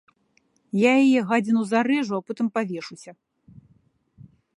Я яе, гадзіну, зарэжу, а потым павешуся!